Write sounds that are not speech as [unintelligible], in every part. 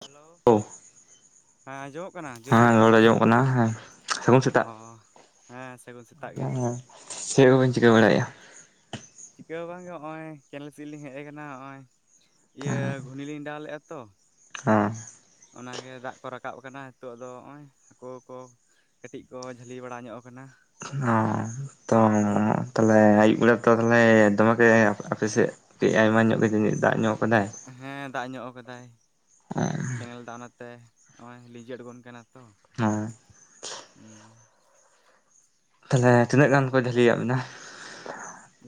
Hello ᱳ ᱦᱮᱸ ᱟᱸᱡᱚᱢᱚᱜ ᱠᱟᱱᱟ ᱡᱳᱨᱮ ᱦᱮᱸ ᱜᱮ ᱨᱚᱲ ᱟᱸᱡᱚᱢᱚᱜ ᱠᱟᱱᱟ ᱦᱮᱸ ᱥᱟᱹᱜᱩᱱ ᱥᱮᱛᱟᱜ ᱚ ᱦᱮᱸ ᱥᱟᱹᱜᱩᱱ ᱥᱮᱛᱟᱜ ᱜᱮ ᱪᱮᱫ ᱠᱚ ᱵᱮᱱ ᱚ ᱪᱤᱠᱟᱹ ᱵᱟᱲᱟᱭᱮᱜ-ᱟ ᱪᱤᱠᱟᱹ ᱦᱚᱸ ᱵᱟᱝᱜᱮ ᱦᱚᱸᱜᱼᱚᱭ ᱠᱮᱱᱮᱞ ᱥᱮᱫ ᱞᱤᱧ ᱦᱮᱡ ᱠᱟᱱᱟ ᱱᱚᱜᱼᱚᱭ ᱤᱭᱟᱹ ᱜᱷᱩᱱᱤ ᱞᱤᱧ ᱰᱟᱣ ᱞᱮᱼᱟ ᱛᱚ ᱦᱟᱸ ᱚᱱᱟᱜᱮ ᱫᱟᱜ ᱠᱚ ᱨᱟᱠᱟᱵ ᱠᱟᱱᱟ ᱱᱤᱛᱚᱜ ᱫᱚ ᱱᱚᱜᱼᱚᱭ ᱦᱟᱹᱠᱩ ᱠᱚ ᱠᱟᱹᱴᱤᱡ ᱠᱚ ᱡᱷᱟᱹᱞᱤ ᱵᱟᱲᱟ ᱧᱚᱜ ᱟᱠᱟᱱᱟ᱾ ᱚ ᱛᱚ ᱦᱳᱭ ᱛᱟᱦᱞᱮ ᱟᱭᱩᱵ ᱵᱮᱲᱟ ᱛᱚ ᱛᱟᱦᱚᱞᱮ ᱫᱚᱢᱮ ᱟᱯᱮᱥᱮᱫ ᱠᱟᱹᱡ ᱟᱭᱢᱟ ᱧᱚᱜ ᱜᱮ ᱡᱟᱹᱱᱤᱡ ᱫᱟᱜ ᱧᱚᱜ ᱠᱟᱫᱟᱭ ᱦᱮᱸ ᱫᱟᱜ ᱧᱚᱜ ᱟᱠᱟᱫᱟᱭ ᱦᱮᱸ ᱠᱮᱱᱮᱞ ᱫᱟᱜ ᱚᱱᱟᱛᱮ ᱱᱚᱜ ᱚᱭ ᱞᱤᱸᱡᱤ ᱟᱬᱜᱚᱱ ᱠᱟᱱᱟ᱾ ᱛᱚ ᱩᱸ ᱛᱟᱞᱦᱮ ᱛᱤᱱᱟᱹᱜ ᱜᱟᱱ ᱠᱚ ᱡᱷᱟᱹᱞᱤᱭᱟᱫ ᱵᱮᱱᱟ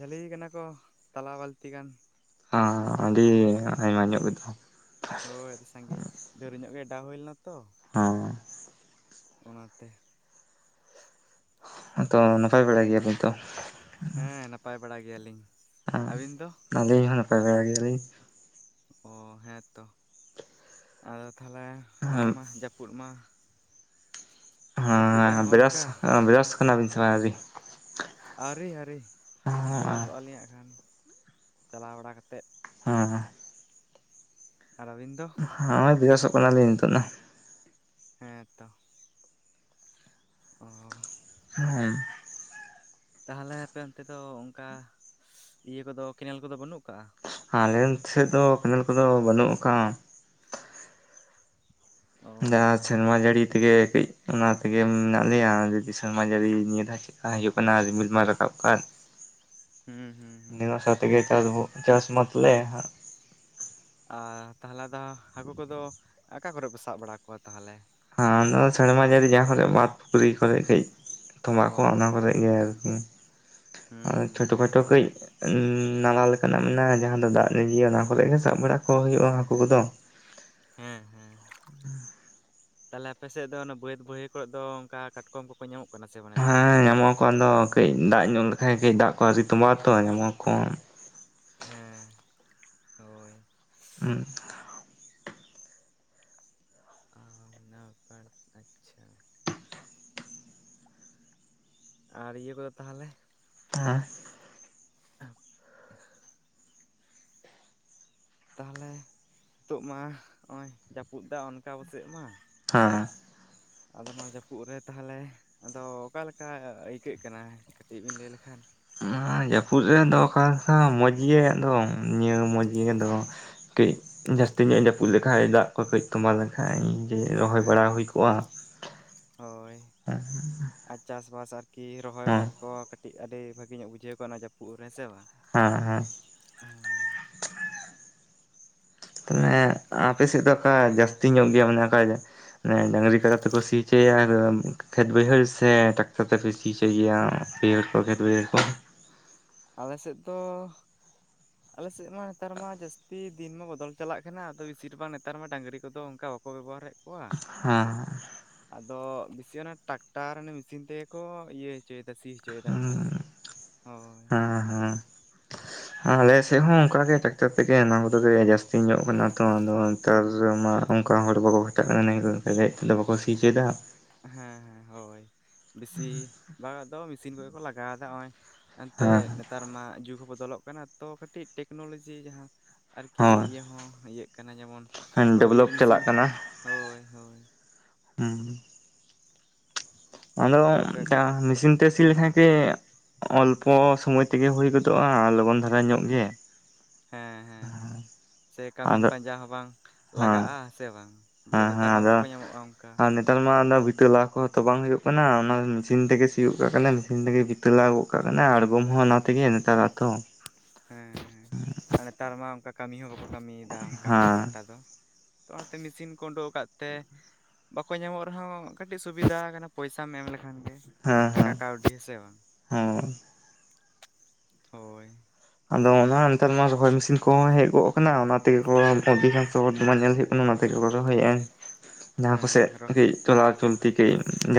ᱡᱷᱟᱹᱞᱤᱭ ᱠᱟᱱᱟ ᱠᱚ ᱛᱟᱞᱟ ᱵᱟᱹᱞᱛᱤ ᱜᱟᱱ ᱦ ᱟᱹᱰᱤ ᱱᱤᱭᱟᱹ ᱫᱷᱟᱣ ᱟᱭᱢᱟ ᱧᱚᱜ ᱜᱮᱛᱚ ᱦᱳᱭ ᱥᱟᱺᱜᱤᱧ ᱰᱮᱨᱤᱧᱚᱜ ᱜᱮ ᱚᱰᱟᱣ ᱦᱩᱭ ᱞᱮᱱᱟ ᱛᱚ ᱚ ᱚᱱᱟᱛᱮ ᱟᱫᱚ ᱱᱟᱯᱟᱭ ᱵᱟᱲᱟ ᱜᱮᱭᱟ ᱵᱮᱱ ᱛᱚ ᱦᱮᱸ ᱱᱟᱯᱟᱭ ᱵᱟᱲᱟ ᱜᱮᱭᱟᱞᱤᱧ ᱟᱹᱵᱤᱱ ᱫᱚ ᱟᱹᱞᱤᱧ ᱤᱧ ᱦᱚᱸ ᱱᱟᱯᱟᱭ ᱵᱟᱰᱟ ᱜᱮᱭᱟ ᱞᱤᱧ ᱚ ᱦᱮᱸᱛᱚ ᱟᱫᱚ ᱛᱟᱦᱚᱞᱮ ᱚᱱᱟ ᱢᱟ ᱡᱟᱹᱯᱩᱫ ᱢᱟ ᱡᱟᱹᱯᱩᱫ ᱮᱜᱼᱟ ᱦᱮᱸ ᱱᱚᱜᱼᱚ ᱵᱮᱨᱟᱥ ᱱᱚᱝᱠᱟ ᱵᱮᱨᱟᱥ ᱠᱟᱱᱟᱵᱤᱱ ᱥᱮᱵᱟ ᱟᱹᱵᱤᱱ ᱟᱹᱣᱨᱤ ᱟᱹᱨᱤ ᱦᱮᱸ ᱵᱨᱥᱚᱜᱼᱟᱞᱤᱧ ᱦᱟᱸᱜ ᱠᱷᱟᱱ ᱪᱟᱞᱟᱣ ᱵᱟᱲᱟ ᱠᱟᱛᱮᱫ ᱦᱮᱸ ᱦᱮᱸ ᱟᱨ ᱟᱹᱵᱤᱱ ᱫᱚ ᱦᱚᱜ-ᱚᱭ ᱵᱮᱨᱟᱥᱚᱜ ᱠᱟᱱᱟᱞᱤᱧ ᱱᱤᱛᱚᱜ ᱱᱟ ᱦᱮᱸ ᱛᱚ ᱚ ᱦᱮᱸ ᱛᱟᱦᱞᱮ ᱟᱯᱮ ᱚᱱᱛᱮ ᱫᱚ ᱚᱝᱠᱟ ᱤᱭᱟᱹ ᱠᱚᱫᱚ ᱠᱮᱱᱮᱞ ᱠᱚᱫᱚ ᱵᱟᱹᱱᱩᱜ ᱟᱠᱟᱜ-ᱟ ᱟᱞᱮ ᱥᱮᱫ ᱫᱚ ᱠᱮᱱᱮᱞ ᱠᱚᱫᱚ ᱵᱟᱹᱱᱩᱜ ᱟᱠᱟᱜ-ᱟ ᱚ ᱡᱟᱦᱟᱸ ᱦᱮᱸᱛᱚ ᱥᱮᱨᱢᱟ ᱡᱟᱹᱲᱤ ᱛᱮᱜᱮ ᱠᱟᱹᱡ ᱚᱱᱟ ᱛᱮᱜᱮ ᱢᱮᱱᱟᱜ ᱞᱮᱭᱟ ᱡᱩᱫᱤ ᱥᱮᱨᱢᱟ ᱡᱟᱹᱲᱤ ᱱᱤᱭᱟᱹ ᱫᱷᱟ ᱦᱤᱡᱩᱜ ᱠᱟᱱᱟ ᱨᱤᱢᱤᱞ ᱢᱟ ᱨᱟᱠᱟᱵ ᱠᱟᱫ ᱦᱩᱸ ᱦᱩᱸ ᱦᱩᱸ ᱱᱤᱨᱟᱥᱟ ᱛᱮᱜᱮ ᱪᱟᱥ ᱪᱟᱥ ᱢᱟᱛᱞᱮ ᱟᱨ ᱛᱟᱦᱚᱞᱮ ᱫᱚ ᱦᱟᱹᱠᱩ ᱠᱚᱫᱚ ᱚᱠᱟ ᱠᱚᱨᱮ ᱯᱮ ᱥᱟᱵ ᱵᱟᱲᱟ ᱠᱚᱣᱟ ᱛᱟᱦᱚᱞᱮ ᱦᱮᱸ ᱚᱱᱟ ᱥᱮᱨᱢᱟ ᱡᱟᱹᱲᱤ ᱡᱟᱦᱟᱸ ᱠᱚᱨᱮ ᱵᱟᱸᱫᱽ ᱯᱩᱠᱷᱨᱤ ᱠᱚᱨᱮ ᱠᱟᱹᱡ ᱚ ᱛᱚᱵᱟᱜ ᱠᱚ ᱚᱱᱟ ᱡᱟᱦᱟᱸ ᱠᱚᱨᱮ ᱦᱳᱭ ᱜᱮ ᱟᱨᱠᱤ ᱦᱩᱸ ᱦᱩᱸ ᱪᱷᱳᱴᱳ ᱠᱷᱟᱴᱳ ᱦᱮᱸᱛᱚ ᱠᱟᱹᱡ ᱱᱟᱞᱟ ᱞᱮᱠᱟᱱᱟᱜ ᱢᱮᱱᱟᱜᱼᱟ ᱡᱟᱦᱟᱸ ᱫᱚ ᱫᱟᱜ ᱞᱤᱱᱡᱤᱭᱟ ᱚᱱᱟ ᱠᱚᱨᱮ ᱜᱮ ᱥᱟᱵ ᱵᱟᱲᱟ ᱠᱚ ᱦᱩᱭᱩᱜᱼᱟ ᱦᱟᱹᱠᱩ ᱠᱚᱫᱚ ᱦᱮᱸ ᱦᱮᱸ ᱛᱟᱦᱞᱮ ᱟᱯᱮᱥᱮᱫ ᱫᱚ ᱚᱱᱟ ᱵᱟᱹᱫ ᱵᱟᱹᱭᱦᱟᱹᱲ ᱠᱚᱨᱮ ᱫᱚ ᱚᱱᱠᱟ ᱠᱟᱴᱠᱚᱢ ᱠᱚᱠᱚ ᱧᱟᱢᱚᱜ ᱠᱟᱱᱟ ᱥᱮ ᱵᱟᱝ ᱱᱮᱛᱟᱨ ᱫᱚ ᱦᱮᱸ ᱧᱟᱢᱚᱜ ᱟᱠᱚ ᱟᱫᱚ ᱠᱟᱹᱡ ᱫᱟᱜ ᱧᱚᱜ ᱞᱮᱠᱷᱟᱡ ᱜᱮ ᱫᱟᱜ ᱠᱚ ᱟᱹᱣᱨᱤ ᱛᱚᱢᱵᱟ ᱛᱚ ᱧᱟᱢᱚ ᱟᱠᱚ ᱦᱮᱸ ᱦᱳᱭ [unintelligible] ᱟᱪᱪᱷᱟ ᱟᱨ ᱤᱭᱟᱹ ᱠᱚᱫᱚ ᱛᱟᱦᱞᱮ [unintelligible] [inaudible] ᱛᱟᱦᱚᱞᱮ ᱱᱤᱛᱚᱜ ᱢᱟ ᱱᱚᱜᱼᱚᱭ ᱡᱟᱹᱯᱩᱫᱟ ᱚᱱᱠᱟ ᱟᱵᱚᱥᱮᱜ ᱢᱟ ᱦᱟᱸ ᱦᱟᱸ ᱟᱫᱚ ᱱᱚᱣᱟ ᱡᱟᱹᱯᱩᱫ ᱨᱮ ᱛᱟᱦᱞᱮ ᱟᱫᱚ ᱚᱠᱟᱞᱮᱠᱟ ᱟᱹᱭᱠᱟᱹᱜ ᱠᱟᱱᱟ ᱠᱟᱹᱴᱤᱡ ᱵᱤᱱ ᱞᱟᱹᱭ ᱞᱮᱠᱷᱟᱱ ᱱᱚᱣᱟ ᱡᱟᱹᱯᱩᱫ ᱨᱮ ᱫᱚᱨᱠᱟᱨ ᱢᱚᱡᱽ ᱜᱮ ᱟᱫᱚ ᱱᱤᱭᱟᱹ ᱢᱚᱡᱽᱜᱤ ᱟᱫᱚ ᱠᱟᱹᱡ ᱡᱟᱹᱥᱛᱤ ᱧᱚᱜ ᱮ ᱡᱟᱹᱯᱩᱫ ᱞᱮᱠᱷᱟᱡ ᱫᱟᱜ ᱠᱚ ᱠᱟᱹᱡ ᱛᱚᱸᱵᱟ ᱞᱮᱱᱠᱷᱟᱡ ᱡᱮ ᱨᱚᱦᱚᱭ ᱦᱮᱸ ᱵᱟᱲᱟ ᱦᱩᱭ ᱠᱚᱜᱼᱟ ᱦᱳᱭ ᱟᱨ ᱪᱟᱥᱵᱟᱥ ᱟᱨᱠᱤ ᱨᱚᱦᱚᱭ ᱦᱮᱸ ᱵᱟᱲᱟ ᱠᱚ ᱠᱟᱹᱴᱤᱡ ᱟᱹᱰᱤ ᱵᱷᱟᱹᱜᱤ ᱧᱚᱜ ᱵᱩᱡᱷᱟᱹᱣ ᱠᱚᱜᱟ ᱚᱱᱟ ᱡᱟᱹᱯᱩᱫ ᱨᱮ ᱦᱮᱸ ᱥᱮ ᱵᱟᱝ ᱦᱮᱸ ᱦᱮᱸ ᱦᱮᱸ ᱟᱯᱮ ᱥᱮᱫ ᱫᱚ ᱚᱠᱟ ᱡᱟᱹᱥᱛᱤ ᱧᱚᱜ ᱜᱮᱭᱟ ᱢᱟᱱᱮ ᱚᱠᱟ ᱰᱟᱝᱨᱤ ᱠᱟᱰᱟ ᱛᱮᱠᱚ ᱥᱤᱪᱚᱭᱟ ᱠᱷᱮᱛ ᱵᱟᱹᱭᱦᱟᱹᱲ ᱥᱮ ᱴᱟᱠᱴᱚᱨ ᱛᱮᱯᱮ ᱥᱤ ᱦᱚᱪᱚᱭ ᱜᱮᱭᱟ ᱵᱟᱹᱭᱦᱟᱹᱲ ᱠᱚ ᱠᱷᱮᱛ ᱵᱟᱹᱭᱦᱟᱹᱲ ᱠᱚ ᱟᱞᱮ ᱥᱮᱫ ᱫᱚ ᱟᱞᱮᱥᱮᱫ ᱢᱟ ᱱᱮᱛᱟᱨ ᱢᱟ ᱡᱟᱹᱥᱛᱤ ᱫᱤᱱ ᱢᱟ ᱵᱚᱫᱚᱞ ᱪᱟᱞᱟᱜ ᱠᱟᱱᱟ ᱟᱫᱚ ᱵᱤᱥᱤᱨ ᱵᱷᱟᱜ ᱱᱮᱛᱟᱨ ᱢᱟ ᱰᱟᱹᱝᱨᱤ ᱠᱚᱫᱚ ᱚᱱᱠᱟ ᱵᱟᱠᱚ ᱵᱮᱵᱚᱦᱟᱨᱮᱫ ᱠᱚᱣᱟ ᱦᱮᱸ ᱦᱮᱸ ᱟᱫᱚ ᱵᱮᱥᱤ ᱚᱱᱟ ᱴᱨᱟᱠᱴᱟᱨ ᱢᱮᱥᱤᱱ ᱛᱮᱜᱮ ᱠᱚ ᱤᱭᱟᱹ ᱪᱮᱫᱟ ᱥᱤ ᱦᱚᱪᱚᱭᱫᱟ ᱱᱮᱛᱟᱨ ᱢᱟ ᱦᱳᱭ ᱦᱮᱸ ᱦᱮᱸ ᱟᱞᱮᱥᱮᱫ ᱦᱚᱸ ᱚᱱᱠᱟᱜᱮ ᱴᱨᱟᱠᱴᱟᱨ ᱛᱮᱜᱮ ᱚᱱᱟ ᱠᱚᱫᱚ ᱡᱟᱹᱥᱛᱤ ᱧᱚᱜ ᱠᱟᱱᱟ ᱛᱚ ᱟᱫᱚ ᱱᱮᱛᱟᱨ ᱦᱩᱸ ᱢᱟ ᱚᱱᱠᱟ ᱦᱚᱲ ᱵᱟᱠᱚ ᱠᱷᱟᱴᱟᱜ ᱠᱟᱱᱟ ᱛᱮᱫᱚ ᱵᱟᱠᱚ ᱥᱤ ᱪᱦᱚᱪᱚᱭᱫᱟ ᱦᱮᱸ ᱦᱮᱸ ᱦᱳᱭ ᱵᱮᱥᱤᱨ ᱵᱷᱟᱜ ᱠᱚᱣᱟᱫᱚ ᱢᱮᱥᱤᱱ ᱠᱚᱜᱮ ᱠᱚ ᱞᱟᱜᱟᱣᱫᱟ ᱱᱚᱜᱼᱚᱭ ᱮᱱᱛᱮᱜ ᱦᱮᱸ ᱱᱮᱛᱟᱨ ᱢᱟ ᱡᱩᱜᱽ ᱦᱚᱸ ᱵᱚᱫᱚᱞᱚᱜ ᱠᱟᱱᱟ ᱛᱚ ᱠᱟᱹᱴᱤᱡ ᱴᱮᱠᱱᱳᱞᱚᱡᱤ ᱡᱟᱦᱟᱸ ᱟᱨᱠᱤ ᱤᱭᱟᱹ ᱦᱳᱭ ᱦᱚᱸ ᱤᱭᱟᱹᱜ ᱠᱟᱱᱟ ᱡᱮᱢᱚᱱ ᱦᱳᱲᱳ ᱤᱨ ᱰᱮᱵᱷᱞᱚᱯ ᱪᱟᱞᱟᱜ ᱢᱮᱥᱤᱱ ᱠᱟᱱᱟ ᱦᱳᱭ ᱦᱳᱭ ᱦᱩᱸ ᱚᱸᱰᱮ ᱛᱚ ᱠᱟᱹᱴᱤᱡ ᱢᱮᱥᱤᱱ ᱛᱮ ᱥᱤ ᱦᱩᱸ ᱞᱮᱠᱷᱟᱱ ᱠᱤ ᱚᱞᱯᱚ ᱥᱚᱢᱚᱭ ᱛᱮᱜᱮ ᱦᱳᱭ ᱜᱚᱫᱚᱜᱼᱟ ᱟᱨ ᱞᱚᱜᱚᱱ ᱫᱷᱟᱨᱟ ᱧᱚᱜ ᱜᱮ ᱦᱮᱸ ᱦᱮᱸ ᱥᱮ ᱠᱟᱹᱢᱤᱱ ᱟᱫᱚ ᱯᱟᱸᱡᱟ ᱦᱚᱸ ᱵᱟᱝ ᱦᱮᱸ ᱞᱟᱜᱟᱜᱼᱟ ᱥᱮ ᱵᱟᱝ ᱡᱮ ᱦᱮᱸ ᱱᱮᱛᱟᱨ ᱦᱮᱸ ᱢᱟ ᱟᱫᱚ ᱵᱟᱠᱚ ᱧᱟᱢᱚᱜᱼᱟ ᱚᱱᱠᱟ ᱟᱨ ᱦᱳᱭ ᱱᱮᱛᱟᱨ ᱢᱟ ᱵᱤᱛᱟᱹ ᱞᱟ ᱠᱚ ᱛᱚ ᱵᱟᱝ ᱦᱳᱭᱳᱜ ᱠᱟᱱᱟ ᱚᱱᱟ ᱢᱮᱥᱤᱱ ᱛᱮᱜᱮ ᱥᱤᱭᱳᱜ ᱠᱟᱜ ᱠᱟᱱᱟ ᱢᱮᱥᱤᱱ ᱛᱮᱜᱮ ᱵᱤᱛᱟᱹ ᱞᱟ ᱜᱚᱜ ᱠᱟᱱᱟ ᱟᱬᱜᱚᱢ ᱦᱚᱸ ᱚᱱᱟ ᱛᱮᱜᱮ ᱱᱮᱛᱟᱨ [unintelligible] ᱦᱮᱸ ᱦᱮᱸ ᱟᱨ ᱱᱮᱛᱟᱨ ᱢᱟ ᱚᱱᱠᱟ ᱠᱟᱹᱢᱤ ᱦᱚᱸ ᱵᱟᱠᱚ ᱠᱟᱹᱢᱤᱭᱫᱟ ᱚᱱᱠᱟ ᱠᱷᱩᱵ ᱦᱮᱸ ᱮᱠᱴᱟ ᱫᱚ ᱛᱚ ᱚᱱᱟᱛᱮ ᱢᱮᱥᱤᱱ ᱠᱚ ᱳᱰᱳᱠ ᱠᱟᱜ ᱛᱮ ᱵᱟᱠᱚ ᱧᱟᱢᱚᱜ ᱨᱮᱦᱚᱸ ᱠᱟᱹᱴᱤᱡ ᱥᱩᱵᱤᱫᱷᱟ ᱠᱟᱱᱟ ᱯᱚᱭᱥᱟᱢ ᱮᱢ ᱞᱮᱠᱷᱟᱱ ᱦᱮᱸ ᱴᱟᱠᱟ ᱦᱮᱸ ᱠᱟᱹᱣᱰᱤ ᱥᱮ ᱵᱟᱝ ᱦᱳᱭ ᱦᱳᱭ ᱟᱫᱚ ᱚᱱᱟ ᱦᱚᱸ ᱱᱮᱛᱟᱨ ᱢᱟ ᱨᱚᱦᱚᱭ ᱢᱮᱥᱤᱱ ᱠᱚᱦᱚᱸ ᱦᱮᱡ ᱜᱚᱫ ᱠᱟᱱᱟ ᱚᱱᱟ ᱛᱮᱜᱮ ᱚᱫᱷᱤᱠᱟᱝᱥᱚ ᱦᱚᱲ ᱫᱚᱢᱟ ᱧᱮᱞ ᱦᱩᱭᱩᱜ ᱚᱱᱟ ᱛᱮᱜᱮ ᱠᱚ ᱨᱚᱦᱚᱭᱮᱜᱼᱟ [inaudible] ᱡᱟᱦᱟᱸ ᱠᱚᱥᱮᱫ ᱠᱟᱹᱡ ᱨᱚᱦᱚᱭ ᱪᱚᱞᱟᱣ ᱪᱚᱞᱛᱤ ᱠᱟᱹᱡ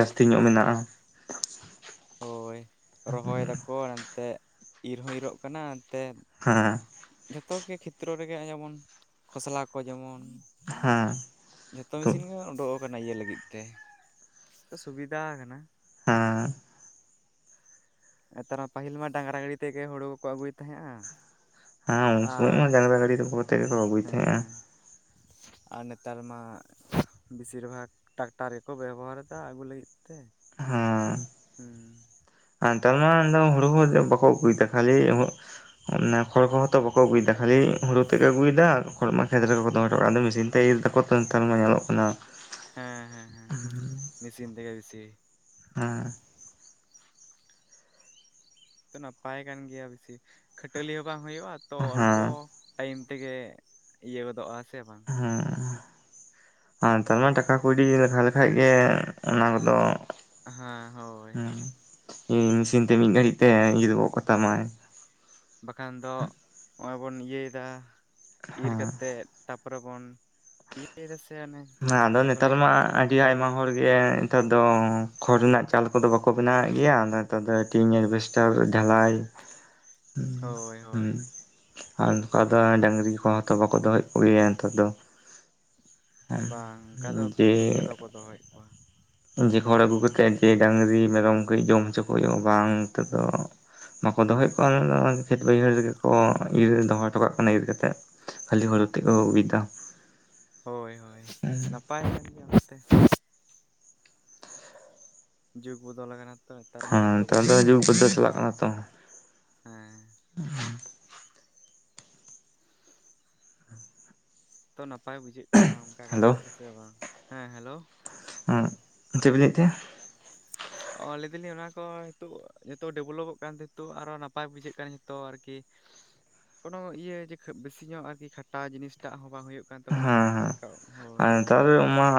ᱡᱟᱹᱥᱛᱤ ᱧᱚᱜ ᱢᱮᱱᱟᱜᱼᱟ ᱦᱳᱭ ᱨᱚᱦᱚᱭ ᱫᱟᱠᱚ ᱮᱱᱛᱮᱜ ᱤᱨ ᱦᱚᱸ ᱤᱨᱚᱜ ᱠᱟᱱᱟ ᱮᱱᱛᱮ ᱦᱮᱸ ᱡᱷᱚᱛᱚ ᱜᱮ ᱠᱷᱮᱛᱨᱮ ᱨᱮᱜᱮ ᱱᱚᱜᱚᱭ ᱡᱮᱢᱚᱱ ᱠᱷᱚᱥᱞᱟ ᱠᱚ ᱡᱮᱢᱚᱱ ᱦᱮᱸ ᱡᱷᱚᱛᱚ ᱢᱤᱥᱤᱱ ᱜᱮ ᱚᱰᱚᱠ ᱤᱭᱟᱹ ᱞᱟᱹᱜᱤᱫ ᱛᱮ ᱥᱩᱵᱤᱫᱟ ᱠᱟᱱᱟ ᱦᱮᱸ ᱱᱮᱛᱟᱨ ᱯᱟᱹᱟᱦᱤᱞ ᱢᱟ ᱰᱟᱝᱨᱟ ᱜᱟᱹᱲᱤ ᱛᱮᱜᱮ ᱦᱳᱲᱳ ᱠᱚᱠᱚ ᱟᱹᱜᱩᱭ ᱛᱟᱦᱮᱸᱫᱼᱟ ᱦᱮᱸ ᱩᱱ ᱥᱚᱢᱚᱭ ᱦᱚᱸ ᱰᱟᱝᱨᱟ ᱜᱟᱹᱰᱤ ᱛᱮ ᱜᱮᱠᱚ ᱟᱹᱜᱩᱭᱮᱫ ᱛᱟᱦᱮᱸᱜ-ᱟ ᱦᱮᱸ ᱟᱨ ᱱᱮᱛᱟᱨ ᱢᱟ ᱵᱮᱥᱤᱨ ᱵᱷᱟᱜᱽ ᱴᱨᱟᱠᱴᱟᱨ ᱨᱮᱠᱚ ᱵᱮᱵᱚᱦᱟᱨ ᱮᱫᱟ ᱟᱹᱜᱩ ᱞᱟᱹᱜᱤᱫ ᱛᱮ ᱦᱮᱸ ᱦᱩᱸ ᱮᱛᱟᱨ ᱢᱟ ᱦᱩᱲᱩ ᱦᱩ ᱵᱟᱠᱚ ᱟᱹᱜᱩᱭ ᱫᱟ ᱠᱷᱟᱹᱞᱤ [unintelligible] ᱚᱱᱮᱠ ᱦᱚᱲ ᱠᱚᱦᱚᱸ ᱛᱚ ᱵᱟᱠᱚ ᱟᱹᱜᱩᱭ ᱮᱫᱟ ᱠᱷᱟᱹᱞᱤ ᱦᱳᱲᱳ ᱛᱮᱫ ᱮ ᱟᱹᱜᱩᱭ ᱫᱟ ᱠᱷᱚᱲ ᱢᱟ ᱠᱷᱮᱛ ᱨᱮᱠᱚ ᱠᱚ ᱫᱚᱢ ᱦᱚᱴᱚ ᱠᱟᱜ ᱫᱚ ᱢᱮᱥᱤᱱ ᱛᱮᱤᱨ ᱛᱟᱠᱚ [inaudible] ᱧᱮᱞᱚᱜ ᱠᱟᱱᱟ ᱦᱮᱸ ᱦᱮᱸ ᱦᱮᱸ ᱢᱮᱥᱤᱱ ᱛᱮ ᱵᱤᱥᱤ ᱦᱩᱸ ᱛᱚ ᱱᱟᱯᱟᱭ ᱠᱟᱱ ᱜᱮᱭᱟ ᱵᱮᱥᱤ ᱠᱷᱟᱹᱴᱟᱹᱞᱤ ᱦᱚᱸ ᱵᱟᱝ ᱦᱩᱭᱩᱜ-ᱟ ᱛᱚ ᱚᱞᱯᱚ ᱦᱮᱸ ᱴᱟᱹᱭᱤᱢ ᱛᱮᱜᱮ ᱤᱭᱟᱹ ᱜᱚᱫᱚᱜ-ᱟ ᱥᱮ ᱵᱟᱝ ᱦᱩᱸ ᱟᱨ ᱱᱮᱛᱟᱨ ᱢᱟ ᱴᱟᱠᱟ ᱠᱟᱹᱣᱰᱤ ᱞᱮᱠᱷᱟ ᱞᱮᱠᱷᱟᱡ ᱜᱮ ᱚᱱᱟ ᱠᱚᱫᱚ ᱦᱟᱸ ᱦᱳᱭ ᱤ ᱢᱮᱥᱤᱱ ᱛᱮ ᱢᱤᱫ ᱜᱷᱟᱹᱲᱤᱡ ᱛᱮ ᱤᱨ ᱜᱚᱫ ᱠᱚᱛᱟᱢᱟᱭ ᱵᱟᱠᱷᱟᱱ ᱫᱚ ᱱᱚᱜᱚᱭ ᱵᱚᱱ ᱤᱭᱟᱹᱭ ᱮᱫᱟ ᱤᱨ ᱠᱟᱛᱮᱫ ᱛᱟ ᱛᱟᱯᱚᱨᱮ ᱵᱚᱱ ᱤᱭᱟᱹ ᱫᱟ ᱥᱮ ᱚᱱᱮ ᱦᱮᱸ ᱟᱫᱚ ᱪᱮᱫ ᱠᱚ ᱱᱮᱛᱟᱨ ᱞᱟᱹᱭᱟ ᱢᱟ ᱟᱹᱰᱤ ᱛᱟᱲᱤ ᱟᱭᱢᱟ ᱦᱚᱲ ᱜᱮ ᱱᱮᱛᱟᱨ ᱫᱚ ᱠᱷᱚᱲ ᱨᱮᱱᱟᱜ ᱪᱟᱞ ᱠᱚᱫᱚ ᱵᱟᱠᱚ ᱵᱮᱱᱟᱣᱮᱫ ᱜᱮᱭᱟ ᱟᱫᱚ ᱱᱮᱛᱟᱨ ᱫᱚ ᱴᱤᱱ ᱮᱰᱵᱷᱮᱥᱴᱟᱨ ᱛᱟᱨᱯᱚᱨᱮ ᱰᱷᱟᱞᱟᱭ ᱦ [inaudible] ᱦᱩᱸ ᱦᱩᱸ ᱟᱨ ᱱᱚᱝᱠᱟ ᱫᱚ ᱰᱟᱹᱝᱨᱤ ᱠᱚ ᱦᱚᱸ ᱛᱚ ᱵᱟᱠᱚ ᱫᱚᱦᱚᱭᱮᱫ ᱠᱚᱜᱮᱭᱟ ᱱᱮᱛᱟᱨ ᱫᱚ ᱦᱮᱸ᱾ ᱵᱟᱝ ᱚᱱᱠᱟ ᱫᱚ ᱠᱷᱩᱵ ᱡᱮ ᱮᱠᱴᱟ ᱫᱚ ᱵᱟᱠᱚ ᱫᱚᱦᱚᱭᱮᱫ ᱠᱚᱣᱟ ᱡᱮ ᱦᱚᱲ ᱟᱹᱜᱩ ᱠᱟᱛᱮᱫ ᱡᱮ ᱰᱟᱹᱟᱝᱨᱤ ᱢᱮᱨᱚᱢ ᱠᱟᱹᱡ ᱡᱚᱢ ᱦᱚᱪᱚ ᱠᱚ ᱦᱩᱭᱩᱜ-ᱟ ᱵᱟᱝ ᱱᱤᱛᱚᱜ ᱫᱚ ᱵᱟᱠᱚ ᱫᱚᱦᱚᱭᱮᱫ ᱠᱚᱣᱟ ᱫᱚ ᱠᱷᱮᱛ ᱵᱟᱹᱭᱦᱟᱹᱲ ᱨᱮᱜᱮ ᱠᱚ ᱤᱨ ᱫᱚᱦᱚ ᱦᱚᱴᱚᱠᱟᱜ ᱠᱟᱱᱟ ᱤᱨ ᱠᱟᱛᱮᱫ ᱠᱷᱟᱹᱞᱤ ᱦᱳᱲᱩ ᱛᱮᱫ ᱠᱚ ᱟᱜᱩᱭᱫᱟ ᱦᱳᱭ ᱦᱳᱭ ᱱᱟᱯᱟᱭ ᱠᱟᱱ ᱜᱮᱭᱟ ᱱᱚᱛᱮ ᱡᱩᱜᱽ ᱵᱚᱫᱚᱞ ᱟᱠᱟᱱᱟ ᱛᱚ ᱱᱮᱛᱟᱨ ᱢᱟ ᱦᱮᱸ ᱡᱚᱛᱚ ᱠᱚ ᱱᱮᱛᱟᱨ ᱫᱚ ᱰᱮᱵᱷᱞᱚᱯ ᱡᱩᱠ ᱵᱚᱫᱚᱞ ᱤᱫᱤᱭᱮᱫᱟ ᱪᱟᱞᱟᱜ ᱠᱟᱱᱟ ᱛᱚ ᱦᱮᱸ ᱛᱚ ᱱᱟᱯᱟᱭ ᱵᱩᱡᱷᱟᱹᱜ ᱠᱟᱱᱟ ᱚᱱᱠᱟ ᱦᱮᱞᱳ ᱠᱟᱛᱮᱜ ᱦᱮ ᱥᱮ ᱵᱟᱝ ᱦᱮᱸ ᱦᱮᱞᱳ ᱦᱩᱸ ᱪᱮᱫ ᱵᱮᱤᱱ ᱞᱟᱹᱭᱮᱫ ᱛᱟᱦᱮᱸᱱᱟ [unintelligible] ᱚᱞ ᱞᱤᱫᱤ ᱞᱤᱧ ᱚᱱᱟ ᱠᱚ ᱱᱤᱛᱚᱜ ᱡᱚᱛᱚ ᱰᱮᱵᱷᱞᱚᱯᱚᱜ ᱠᱟᱱᱛᱮᱤᱛᱚᱜ ᱟᱨᱚ ᱱᱟᱯᱟᱭ ᱵᱩᱡᱷᱟᱹᱜ ᱠᱟᱱᱟ ᱡᱚᱛᱚ ᱟᱨᱠᱤ ᱠᱳᱱᱳ ᱤᱭᱟᱹ ᱡᱮ ᱵᱮᱥᱤ ᱧᱚᱜ ᱟᱨ ᱠᱤ ᱠᱷᱟᱴᱟ ᱡᱤᱱᱤᱥᱴᱟᱜ ᱦᱚᱸ ᱵᱟᱝ ᱦᱩᱭᱩᱜ ᱠᱟᱱᱟ ᱠᱟᱱ ᱛᱟᱵᱚᱱᱟ ᱟᱞᱠᱟᱣ ᱦᱳᱭ ᱛᱟᱨ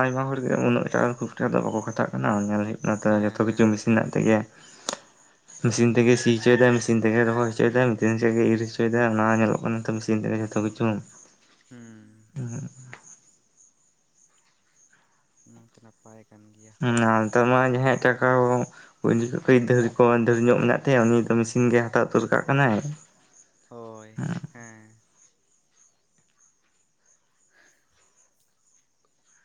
ᱟᱭᱢᱟ ᱦᱚᱲ ᱜᱮ ᱩᱱᱟᱹᱜ ᱴᱟᱜ ᱠᱷᱩᱵᱠᱴᱟ ᱫᱚ ᱵᱟᱠᱚ ᱠᱷᱟᱴᱟᱜ ᱠᱟᱱᱟ ᱚᱱᱟ ᱧᱮᱞ ᱦᱩᱭᱩᱜ ᱠᱟᱱᱟ ᱚᱱᱟ ᱛᱮ ᱦᱮᱸ ᱡᱚᱛᱚ ᱠᱤᱪᱷᱩ ᱦᱮᱸ ᱢᱮᱥᱤᱱ ᱢᱮᱱᱟᱜ ᱛᱟᱭ ᱜᱮᱭᱟ [unintelligible] ᱢᱮᱥᱤᱱ ᱛᱮᱜᱮ ᱥᱤ ᱦᱚᱪᱚᱭᱮᱫᱟ ᱢᱮᱥᱤᱱ ᱛᱮᱜᱮ ᱨᱚᱦᱚᱭ ᱦᱚᱪᱚᱭ ᱮᱫᱟᱭ ᱢᱮᱥᱤᱱ ᱛᱮᱜᱮ ᱤᱨ ᱦᱚᱪᱚᱭ ᱮᱫᱟ ᱚᱱᱟ ᱧᱮᱞᱚᱜ ᱠᱟᱱᱟ ᱛᱚ ᱢᱮᱥᱤᱱ ᱛᱮᱜᱮ ᱠᱟᱢᱤ ᱪᱚᱝ ᱦᱩᱸ ᱦᱩᱸ ᱚᱱᱟ ᱛᱮ ᱱᱟᱯᱟᱭ ᱠᱟᱱ ᱜᱮᱭᱟ ᱱᱮᱛᱟᱨ ᱢᱟ ᱡᱟᱦᱟᱸᱭ ᱟᱜ ᱴᱟᱠᱟ ᱠᱚ ᱩᱱ ᱡᱚᱠᱷᱚᱱ ᱠᱤᱨᱤᱧ ᱧᱚᱜ ᱢᱮᱱᱟᱜ ᱛᱟᱭᱟ ᱩᱱᱤ ᱫᱚ ᱢᱮᱹᱥᱤᱱ ᱜᱮᱭ ᱦᱟᱛᱟᱣ ᱩᱛᱟᱹᱨ ᱠᱟᱜ ᱠᱟᱱᱟᱭ ᱦᱳᱭ ᱦᱮᱸ [unintelligible]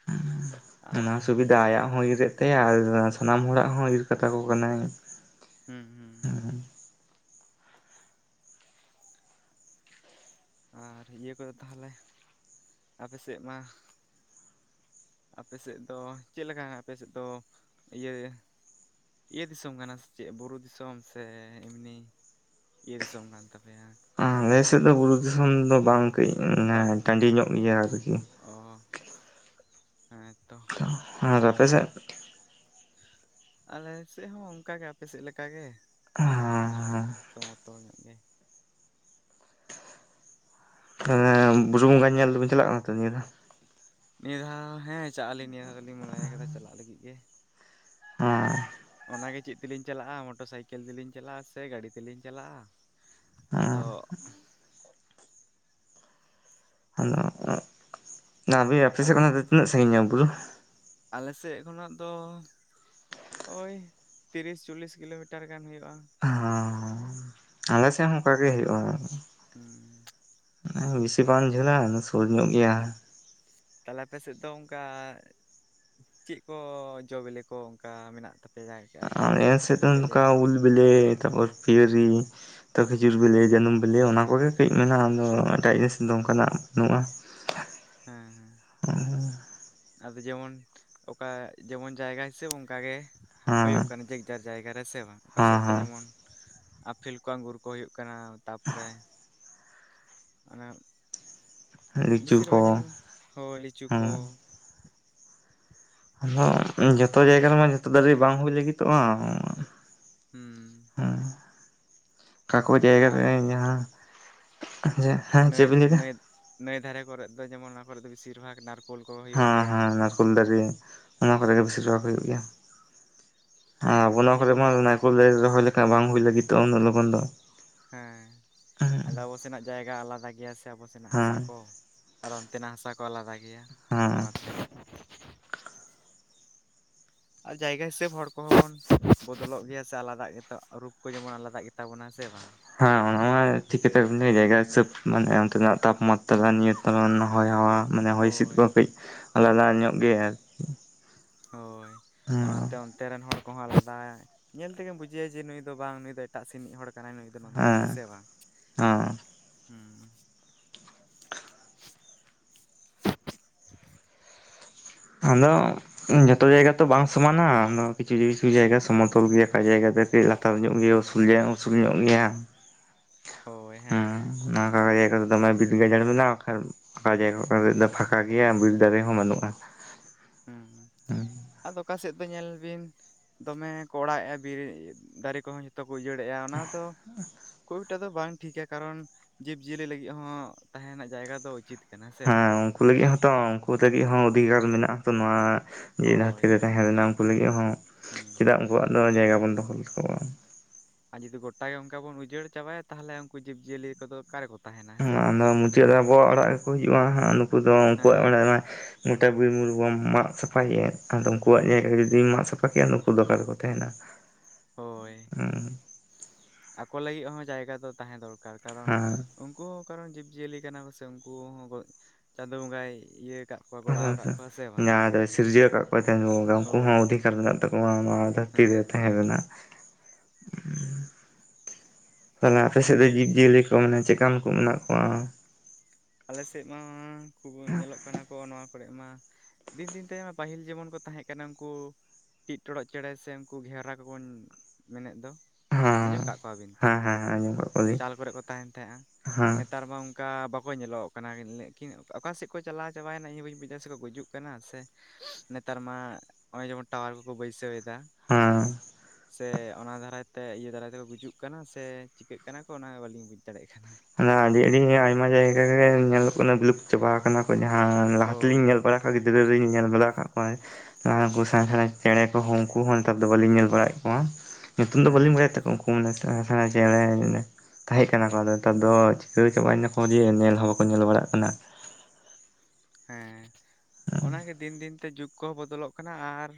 [unintelligible] ᱚᱱᱟ ᱟᱨ ᱦᱚᱸ ᱥᱩᱵᱤᱫᱷᱟ ᱟᱭᱟᱜ ᱦᱚᱸᱭ ᱤᱨ ᱮᱫ ᱛᱟᱭᱟ ᱟᱨ ᱥᱟᱱᱟᱢ ᱦᱚᱲᱟᱜ ᱦᱚᱸ ᱤᱨ ᱠᱟᱛᱟ ᱠᱚ ᱠᱟᱱᱟᱭ ᱦᱮᱸ ᱦᱮᱸ ᱦᱮᱸ ᱟᱨ ᱤᱭᱟᱹ ᱠᱚᱫᱚ ᱛᱟᱦᱚᱞᱮ ᱟᱯᱮ ᱥᱮᱫ ᱢᱟ ᱟᱯᱮᱥᱮᱫ ᱫᱚ ᱪᱮᱫ ᱞᱮᱠᱟ ᱟᱯᱮᱥᱮᱫ ᱫᱚ ᱤᱭᱟᱹ ᱤᱭᱟᱹ ᱫᱤᱥᱚᱢ ᱠᱟᱱᱟ ᱥᱮ ᱪᱮᱫ ᱵᱩᱨᱩ ᱫᱤᱥᱚᱢ ᱥᱮ ᱮᱢᱱᱤ? ᱤᱭᱟᱹ ᱫᱤᱥᱚᱢ ᱠᱟᱱ ᱛᱟᱯᱮᱭᱟ ᱟᱞᱮᱥᱮᱫ ᱫᱚ ᱵᱩᱨᱩ ᱫᱤᱥᱚᱢ ᱫᱚ ᱵᱟᱝ ᱠᱟᱹᱡ ᱵᱟᱝ ᱴᱟᱺᱰᱤ ᱧᱚᱜ ᱜᱮᱭᱟ ᱟᱨᱠᱤ ᱚ ᱦᱮᱸᱛᱚ ᱦᱮᱸ ᱛᱚ ᱟᱯᱮ ᱥᱮᱫ? ᱟᱞᱮ ᱥᱮᱫ ᱦᱚᱸ ᱚᱱᱠᱟ ᱜᱮ ᱟᱯᱮ ᱥᱮᱫ ᱞᱮᱠᱟ ᱜᱮ ᱥᱚᱢᱚᱛᱚᱞ ᱧᱚᱜ ᱜᱮ ᱮ ᱵᱩᱨᱩ ᱵᱚᱸᱜᱟ ᱧᱮᱞ ᱫᱚᱵᱤᱱ ᱪᱟᱞᱟᱜ ᱠᱟᱱᱟ ᱛᱚ ᱱᱤᱭᱟᱹ ᱫᱷᱟᱣ? ᱱᱤᱭᱟᱹ ᱫᱷᱟᱣ ᱦᱮᱸ ᱪᱟ ᱟᱹᱞᱤᱧ ᱱᱤᱭᱟᱹ ᱫᱷᱟᱣ ᱫᱚᱞᱤᱧ ᱢᱚᱱᱮ ᱠᱟᱫᱟ ᱪᱟᱞᱟᱜ ᱞᱟᱹᱜᱤᱫ ᱜᱮ ᱦᱮᱸ ᱚᱱᱟᱜᱮ ᱪᱮᱫ ᱛᱮᱞᱤᱧ ᱪᱟᱞᱟᱜᱼᱟ ᱢᱚᱴᱚᱨ ᱥᱟᱭᱠᱮᱞ ᱛᱮᱞᱤᱧ ᱪᱟᱞᱟᱜᱼᱟ ᱥᱮ ᱜᱟᱹᱰᱤ ᱛᱮᱞᱤᱧ ᱪᱟᱞᱟᱜᱼᱟ ᱟᱫᱚᱼᱼ ᱟᱫᱚ [unintelligible] ᱟᱯᱮ ᱥᱮᱫ ᱠᱷᱚᱱᱟᱜ ᱫᱚ ᱛᱤᱱᱟᱹᱜ ᱥᱟᱺᱜᱤᱧᱟ ᱵᱩᱨᱩ? ᱟᱞᱮᱥᱮᱫ ᱠᱷᱚᱱᱟᱜ ᱫᱚᱼᱼ ᱳᱭ ᱛᱤᱨᱤᱥ ᱪᱚᱞᱞᱤᱥ ᱠᱤᱞᱳᱢᱤᱴᱟᱨ ᱜᱟᱱ ᱦᱩᱭᱩᱜᱼᱟ ᱦᱚᱸ ᱟᱞᱮ ᱥᱮᱫ ᱦᱚᱸ ᱚᱱᱠᱟ ᱜᱮ ᱦᱩᱭᱩᱜᱼᱟ ᱦᱩᱸ ᱵᱮᱥᱤ ᱵᱟᱝ ᱡᱷᱟᱹᱞᱟ ᱥᱩᱨ ᱧᱚᱜ ᱜᱮᱭᱟ ᱛᱟᱦᱚᱞᱮ ᱟᱯᱮ ᱥᱮᱫ ᱫᱚ ᱚᱱᱠᱟ ᱪᱮᱫ ᱠᱚ ᱡᱚᱵᱮᱞᱮ ᱠᱚ ᱚᱱᱠᱟ ᱢᱮᱱᱟᱜ ᱛᱟᱼᱼ ᱼᱼᱯᱮᱭᱟ ᱟᱨᱠᱤ ᱟᱯᱮᱭᱟᱜ ᱡᱟᱭᱜᱟ ᱵᱮᱞᱮ ᱛᱟᱯᱚᱨ ᱯᱤᱭᱟᱹᱨᱤ ᱛᱚ ᱠᱷᱤᱡᱩᱨ ᱵᱮᱞᱮ ᱡᱟᱹᱱᱩᱢ ᱵᱮᱞᱮ ᱚᱱᱟ ᱠᱚᱜᱮ ᱠᱟᱹᱡ ᱢᱮᱱᱟᱜᱼᱟ ᱟᱫᱚ ᱮᱴᱟᱜ ᱡᱤᱱᱤᱥ ᱫᱚ ᱚᱝᱠᱟᱱᱟᱜ ᱫᱚ ᱵᱟᱹᱱᱩᱜᱼᱟ ᱦᱮᱸ ᱦᱮᱸ ᱦᱩᱸ ᱟᱫᱚ ᱡᱮᱢᱚᱱ ᱚᱠᱟ ᱡᱮᱢᱚᱱ ᱡᱟᱭᱜᱟ ᱦᱤᱥᱟᱹᱵᱽ ᱚᱱᱠᱟ ᱜᱮ ᱦᱩᱭᱩᱜ ᱦᱮᱸ ᱠᱟᱱᱟ ᱡᱮᱜ ᱡᱟᱨ ᱡᱟᱭᱜᱟᱨᱮ ᱦᱮᱸᱥᱮ ᱵᱟᱝ ᱚᱠᱟ ᱥᱮᱫ ᱫᱚ ᱦᱮᱸ ᱡᱮᱢᱚᱱ ᱟᱯᱷᱮᱞ ᱠᱚ ᱟᱝᱜᱩᱨᱼᱼ ᱠᱚ ᱦᱩᱭᱩᱜ ᱠᱟᱱᱟ ᱛᱟᱯᱚᱨᱮᱼᱼ ᱚᱱᱟ ᱦᱮᱸ ᱞᱤᱪᱩ ᱵᱤᱥᱤᱨ ᱠᱚ ᱵᱷᱟᱜ ᱧᱮᱞ ᱢᱮ ᱦᱳᱭ ᱞᱤᱪᱩ ᱦᱮᱸ ᱠᱚᱼᱼ ᱟᱫᱚ ᱡᱷᱚᱛᱚ ᱡᱟᱭᱜᱟ ᱨᱮᱢᱟ ᱡᱷᱚᱛᱚ ᱫᱟᱨᱮ ᱵᱟᱝ ᱦᱩᱭ ᱞᱟᱜᱤᱛᱚᱜᱼᱟ ᱦᱩᱸ ᱦᱮᱸᱚᱠᱟᱠᱚ ᱡᱟᱭᱜᱟ ᱟᱨ ᱨᱮ ᱡᱟᱦᱟᱸ ᱡᱮᱼᱼ ᱱᱟᱹᱭ ᱱᱟᱹᱭ ᱱᱟᱹᱭ ᱫᱷᱟᱨᱮ ᱠᱚᱨᱮ ᱫᱚ ᱡᱮᱢᱚᱱ ᱱᱚᱣᱟ ᱠᱚᱨᱮ ᱫᱚ ᱵᱤᱥᱤᱨ ᱵᱷᱟᱜ ᱱᱟᱨᱼᱼ ᱦᱮᱸ ᱦᱮᱸ ᱱᱟᱨᱠᱳᱞ ᱫᱟᱨᱮ ᱚᱱᱟ ᱠᱚᱨᱮ ᱦᱮᱸ ᱜᱮ ᱵᱤᱥᱤ ᱨᱚᱦᱚᱭ ᱦᱩᱭᱩᱜ ᱜᱮᱭᱟ ᱟᱵᱚ ᱟᱫᱚ ᱱᱚᱣᱟ ᱠᱚᱨᱮ ᱡᱮᱢᱚᱱ ᱢᱟ ᱚᱱᱟ ᱱᱟᱨᱠᱳᱞ ᱫᱟᱨᱮ ᱨᱚᱦᱚᱭ ᱞᱮᱠᱷᱟᱡ ᱵᱟᱝ ᱦᱩᱭ ᱞᱟᱹᱜᱤᱫᱚᱜᱼᱟ ᱩᱱᱟᱹᱜ ᱞᱚᱜᱚᱱ ᱫᱚ ᱦᱮᱸ ᱦᱮᱸ ᱟᱫᱚ ᱟᱵᱚ ᱥᱮᱱᱟᱜ ᱡᱟᱭᱜᱟ ᱟᱞᱟᱫᱟ ᱜᱮᱭᱟ ᱥᱮ ᱟᱵᱚ ᱥᱮᱱᱟᱜ ᱦᱟᱥᱟ ᱠᱚ ᱦᱮᱸ ᱟᱨ ᱚᱱᱛᱮᱱᱟᱜ ᱦᱟᱥᱟ ᱠᱚ ᱟᱞᱟᱫᱟ ᱜᱮᱭᱟ ᱚᱱᱟᱛᱮ ᱟᱨ ᱡᱟᱭᱜᱟ ᱦᱤᱥᱟᱹᱵ ᱦᱚᱲ ᱠᱚᱦᱚᱸ ᱵᱚᱱ ᱵᱚᱫᱚᱞᱚᱜ ᱜᱮᱭᱟ ᱥᱮ ᱟᱞᱟᱫᱟ ᱜᱮᱛᱚ ᱨᱩᱯ ᱠᱚ ᱡᱮᱢᱚᱱ ᱟᱞᱟᱫᱟᱜ ᱜᱮᱛᱟ ᱵᱚᱱᱟ ᱥᱮ ᱵᱟᱝ ᱦᱮᱸ ᱚᱱᱟ ᱢᱟ ᱴᱷᱤᱠ ᱠᱟᱛᱷᱟ ᱵᱤᱱ ᱞᱟᱹᱭᱟ ᱦᱩᱸ ᱡᱟᱭᱜᱟ ᱦᱤᱥᱟᱹᱵ ᱢᱟᱱᱮ ᱚᱱᱛᱮᱱᱟᱜ ᱛᱟᱯᱢᱟᱛᱨᱟ ᱱᱤᱭᱚᱱᱛᱨᱚᱱ ᱦᱚᱭ ᱦᱚᱸ ᱢᱟᱱᱮ ᱦᱚᱭ ᱦᱤᱸᱥᱤᱫ ᱦᱳᱭ ᱠᱚᱦᱚᱸ ᱠᱟᱹᱡᱼᱼ ᱟᱞᱟᱫᱟ ᱧᱚᱜ ᱜᱮᱭᱟ ᱦᱳᱭ ᱦᱮᱸ ᱚᱱᱟᱛᱮ ᱛᱮ ᱨᱮᱱ ᱦᱚᱲ ᱠᱚᱦᱚᱸ ᱟᱞᱟᱫᱟ ᱧᱮᱞ ᱛᱮᱜᱮᱢ ᱵᱩᱡᱮᱭᱟ ᱡᱮ ᱱᱩᱭ ᱫᱚ ᱵᱟᱝ ᱱᱩᱭ ᱫᱚ ᱮᱴᱟᱜ ᱥᱮᱱᱤᱡ ᱦᱚᱲ ᱠᱟᱱᱟᱭ ᱱᱩᱭ ᱫᱚ ᱱᱚᱱᱛᱮᱱᱤᱡ ᱦᱮᱸᱥᱮ ᱵᱟᱝ ᱦᱮᱸ ᱦᱮᱸ ᱟᱫᱚ ᱡᱚᱛᱚ ᱡᱟᱭᱜᱟ ᱛᱚ ᱵᱟᱝ ᱥᱚᱢᱚᱱᱟ ᱠᱤᱪᱷᱩ ᱠᱤᱪᱷᱩ ᱡᱟᱭᱜᱟ ᱥᱚᱢᱚᱛᱚᱞ ᱜᱮᱭᱟ ᱚᱠᱟ ᱡᱟᱭᱜᱟ ᱠᱟᱹᱡ ᱞᱟ ᱼᱼᱛᱟᱨ ᱧᱚᱜ ᱜᱮᱭᱟ ᱩᱥᱩᱞ ᱩᱥᱩᱞ ᱧᱚᱜ ᱜᱮᱭᱟ ᱦᱳᱭ ᱦᱩ ᱦᱮᱸ ᱱᱚᱣᱟ ᱠᱚ ᱡᱟᱭᱜᱟ ᱫᱚ ᱫᱚᱢᱮ ᱵᱤᱨ ᱜᱟᱡᱟᱲ ᱢᱮᱱᱟᱜᱼᱟ ᱠᱟ ᱯᱷᱟᱠᱟ ᱡᱟᱭᱜᱟ ᱠᱚᱨᱮ ᱫᱚ ᱯᱷᱟᱸᱠᱟ ᱜᱮᱭᱟ ᱵᱤᱨ ᱫᱟᱨᱮ ᱦᱚᱸ ᱵᱟᱹᱱᱩᱜ-ᱟ᱾ ᱦᱮᱸ ᱦᱮᱸ ᱟᱫᱚ ᱚᱠᱟ ᱥᱮᱫ ᱫᱚ ᱧᱮᱞ ᱵᱤᱱ ᱫᱚᱢᱮ ᱠᱚ ᱚᱲᱟᱜᱮᱫ-ᱟ ᱵᱤᱨ ᱫᱟᱨᱮ ᱠᱚᱦᱚᱸ ᱡ ᱡᱷᱚᱛᱚ ᱠᱚ ᱩᱡᱟᱹᱲᱮᱜ-ᱟ ᱚᱱᱟ ᱫᱚ ᱮᱴᱟᱜ ᱫᱚ ᱵᱟᱝ ᱴᱷᱤᱠᱟ ᱠᱟᱨᱚᱱ ᱡᱤᱵᱽ ᱡᱤᱭᱟᱹᱞᱤ ᱞᱟᱹᱜᱤᱫ ᱦᱚᱸ ᱛᱟᱦᱮ ᱨᱮᱱᱟᱜ ᱡᱟᱭᱜᱟ ᱫᱚ ᱩᱪᱤᱛ ᱠᱟᱱᱟ ᱥᱮ ᱵᱟᱝ ᱦᱮᱸ ᱩᱱᱠᱩ ᱞᱟᱹᱜᱤᱫ ᱦᱚᱸᱛᱚ ᱩᱱᱠᱩ ᱞᱟᱹᱜᱤᱫ ᱦᱚᱸ ᱚᱫᱷᱤᱠᱟᱨ ᱢᱮᱱᱟᱜᱛᱚ ᱱᱚᱣᱟ ᱡᱮ ᱫᱷᱟᱹᱨᱛᱤ ᱦᱳᱭ ᱨᱮ ᱛᱟᱦᱮᱸ ᱞᱮᱱᱟ ᱩᱱᱠᱩ ᱞᱟᱹᱜᱤᱫ ᱦᱚᱸ ᱦᱩᱸ ᱪᱮᱫᱟᱜ ᱩᱱᱠᱩᱣᱟᱜ ᱫᱚ ᱡᱟᱭᱜᱟ ᱵᱚᱱ ᱫᱚᱠᱷᱚᱞ ᱛᱟᱠᱚᱣᱟ ᱟᱨ ᱡᱩᱫᱤ ᱜᱚᱴᱟ ᱜᱮ ᱚᱱᱠᱟ ᱵᱚᱱ ᱩᱡᱟᱹᱲ ᱪᱟᱵᱟᱭᱟ ᱛᱟᱦᱚᱞᱮ ᱩᱱᱠᱩ ᱡᱤᱵᱽᱡᱤᱭᱟᱹᱞᱤ ᱠᱚᱫᱚ ᱚᱠᱟᱨᱮᱠᱚ ᱛᱟᱦᱮᱱᱟ ᱦᱮᱸ ᱥᱮ ᱵᱟᱝ ᱟᱫᱚ ᱢᱩᱪᱟᱹᱫ ᱨᱮ ᱟᱵᱚᱣᱟᱜ ᱚᱲᱟᱜ ᱜᱮᱠᱚ ᱦᱤᱡᱩᱜ-ᱟ ᱦᱟᱜ ᱱᱩᱠᱩ ᱫᱚ ᱩᱱᱠᱩᱣᱟᱜ ᱦᱮᱸ ᱚᱲᱟᱜ ᱢᱟ ᱜᱚᱴᱟ ᱵᱤᱨ ᱵᱩᱨᱩ ᱵᱚᱱ ᱢᱟᱜ ᱥᱟᱯᱷᱟᱭ-ᱟ ᱟᱫᱚ ᱩᱱᱠᱩᱣᱟᱜ ᱡᱟᱭᱜᱟ ᱡᱩᱫᱤᱢ ᱢᱟᱜ ᱥᱟᱯᱷᱟ ᱠᱮᱭᱟ ᱱᱩᱠᱩ ᱫᱚ ᱚᱠᱟ ᱨᱮᱠᱚ ᱛᱟᱦᱮᱱᱟ ᱦᱳᱭ ᱟᱠᱚ ᱞᱟᱹᱜᱤᱫ ᱦᱚᱸ ᱡᱟᱭᱜᱟ ᱫᱚ ᱛᱟᱦᱮᱸ ᱫᱚᱨᱠᱟᱨ ᱠᱟᱨᱚᱱ ᱦᱮᱸ ᱩᱱᱠᱩ ᱦᱚᱸ ᱠᱟᱨᱚᱱ ᱡᱤᱵᱽᱡᱤᱭᱟᱹᱞᱤ ᱠᱟᱱᱟ ᱠᱚ ᱥᱮ ᱩᱱᱠᱩ ᱦᱚᱸ ᱜ ᱪᱟᱸᱫᱚ ᱵᱚᱸᱜᱟᱭ ᱤᱭᱟᱹ ᱟᱠᱟᱫ ᱠᱚᱣᱟ ᱦᱮ ᱜᱚᱲᱟᱣ ᱠᱟᱜ ᱠᱚᱣᱟ ᱥᱮ ᱵᱟᱝ ᱡᱟᱦᱟᱸ ᱫᱚ ᱥᱤᱨᱡᱟᱹᱣ ᱟᱠᱟᱫ ᱠᱚ ᱛᱟᱦᱮᱱ ᱜᱮ ᱩᱱᱠᱩ ᱦᱚᱸ ᱦᱳᱭ ᱚᱫᱷᱤᱠᱟᱨ ᱢᱮᱱᱟᱜ ᱛᱟᱠᱚᱣᱟ ᱱᱚᱣᱟ ᱫᱷᱟᱹᱨᱛᱤ ᱨᱮ ᱦᱮᱸ ᱛᱟᱦᱮᱸ ᱨᱮᱱᱟᱜ ᱛᱟᱦᱞᱮ ᱟᱯᱮ ᱥᱮᱫ ᱫᱚ ᱡᱤᱵᱽ ᱡᱤᱭᱟᱹᱞᱤ ᱠᱚ ᱢᱮᱱᱮ ᱪᱮᱠᱟᱱ ᱠᱚ ᱢᱮᱱᱟᱜ ᱠᱚᱣᱟ ᱟᱞᱮ ᱥᱮᱫ ᱢᱟ ᱠᱚ ᱧᱮᱞᱚᱜ ᱠᱟᱱᱟ ᱠᱚ ᱱᱚᱣᱟ ᱠᱚᱨᱮ ᱢᱟ ᱫᱤᱱ ᱫᱤᱱ ᱛᱟᱭᱚᱢ ᱯᱟᱹᱦᱤᱞ ᱡᱮᱢᱚᱱ ᱠᱚ ᱛᱟᱦᱮᱸ ᱠᱟᱱᱟ ᱩᱱᱠᱩ ᱴᱤᱜ ᱴᱚᱲᱚᱜ ᱪᱮᱬᱮ ᱥᱮ ᱩᱱᱠᱩ ᱜᱷᱮᱣᱨᱟ ᱠᱚᱵᱚᱱ ᱢᱮᱱᱮᱫ ᱫᱚ ᱟᱸᱡᱚᱢ ᱟᱠᱟᱫ ᱠᱚᱣᱟᱵᱤᱱ ᱛᱚ ᱟᱻ ᱧᱮᱞᱚᱜ ᱪᱟᱞ ᱠᱚᱨᱮ ᱠᱚ ᱛᱟᱦᱮᱱ ᱛᱟᱦᱮᱸᱜ-ᱟ ᱱᱮᱛᱟᱨ ᱵᱟᱝ ᱚᱱᱠᱟ ᱵᱟᱠᱚ ᱧᱮᱞᱚᱜ ᱠᱟᱱᱟᱠᱤᱱ ᱚᱠᱟᱥᱮᱫ ᱠᱚ ᱪᱟᱞᱟᱣ ᱪᱟᱵᱟᱭᱮᱱᱟ ᱤᱧ ᱦᱚᱸ ᱵᱟᱹᱧ ᱵᱩᱡᱟ ᱥᱮᱠᱚ ᱜᱩᱡᱩᱜ ᱠᱟᱱᱟ ᱥᱮ ᱱᱮᱛᱟᱨ ᱢᱟ ᱱᱚᱜ-ᱚᱭ ᱡᱮᱢᱚᱱ ᱴᱟᱣᱟᱨ ᱠᱚᱠᱚ ᱵᱟᱹᱭᱥᱟᱹᱣᱮᱫᱟ ᱦᱮᱸ ᱥᱮ ᱚᱱᱟ ᱫᱟᱨᱟᱭᱛᱮ ᱤᱭᱟᱹ ᱫᱟᱨᱟᱭ ᱛᱮᱠᱚ ᱜᱩᱡᱩᱜ ᱠᱟᱱᱟ ᱥᱮ ᱟᱹᱭᱠᱟᱹᱜ ᱠᱟᱱᱟ ᱠᱚ ᱚᱱᱟ ᱵᱟᱹᱞᱤᱧ ᱵᱩᱡᱽ ᱫᱟᱲᱮᱜ ᱠᱟᱱᱟ ᱚᱱᱟ ᱟᱹᱰᱤ ᱟᱹᱰᱤ ᱟᱭᱢᱟ ᱡᱟᱭᱜᱟ ᱜᱮ ᱧᱮᱞᱚᱜ ᱠᱟᱱᱟ ᱵᱩᱞᱩᱯ ᱪᱟᱵᱟ ᱟᱠᱟᱱᱟ ᱠᱚ ᱡᱟᱦᱟᱸ ᱞᱟᱦᱟ ᱛᱮᱞᱤᱧ ᱦᱳᱭ ᱧᱮᱞ ᱵᱟᱲᱟ ᱟᱠᱟᱱᱟ ᱚᱠᱟ ᱜᱤᱫᱽᱨᱟᱹ ᱨᱤᱧ ᱧᱮᱞ ᱵᱟᱲᱟ ᱟᱠᱟᱫ ᱠᱚᱣᱟᱭ ᱟᱨ ᱩᱱᱠᱩ ᱥᱮᱬᱟ ᱥᱮᱬᱟ ᱪᱮᱬᱮ ᱠᱚᱦᱚᱸ ᱩᱱᱠᱩ ᱦᱚᱸ ᱱᱮᱛᱟᱨ ᱫᱚ ᱵᱟᱹᱞᱤᱧ ᱧᱮᱞ ᱵᱟᱲᱟᱭᱮᱫ ᱠᱚᱣᱟ ᱧᱩᱛᱩᱢ ᱫᱚ ᱵᱟᱹᱞᱤᱧ ᱦᱮᱸ ᱵᱟᱲᱟᱭᱮᱫ ᱛᱟᱠᱚᱣᱟ ᱩᱱᱠᱩ ᱥᱮᱬᱟ ᱥᱮᱬᱟ ᱪᱮᱬᱮ ᱛᱟᱦᱮᱸ ᱠᱟᱱᱟ ᱠᱚ ᱟᱫᱚ ᱱᱮᱛᱟᱨ ᱫᱚ ᱪᱤᱠᱟᱹ ᱪᱟᱵᱟᱭᱱᱟᱠᱚ ᱡᱮ ᱧᱮᱞ ᱦᱚᱸ ᱵᱟᱠᱚ ᱧᱮᱞ ᱵᱟᱲᱟᱜ ᱠᱟᱱᱟ ᱦᱮᱸ ᱚᱱᱟᱜᱮ ᱫᱤᱱ ᱫᱤᱱ ᱛᱮ ᱡᱩᱜᱽ ᱠᱚᱦᱚᱸ ᱵᱚᱫᱚᱞᱚᱜ ᱠᱟᱱᱟ ᱟᱨ